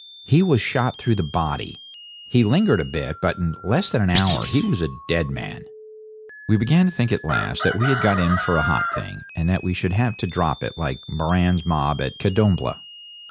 He was shot through the body. He lingered a bit; but in less than an hour he was a dead man. We began to think at last that we had got in for a hot thing, and that we should have to drop it like Moran's mob at Kadombla.